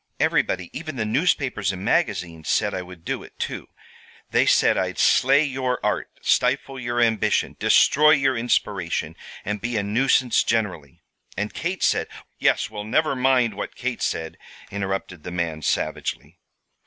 Everybody, even the newspapers and magazines, said I would do it, too. They said I'd slay your Art, stifle your Ambition, destroy your Inspiration, and be a nuisance generally. And Kate said " "Yes. Well, never mind what Kate said," interrupted the man, savagely.